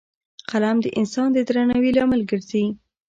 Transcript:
قلم د انسان د درناوي لامل ګرځي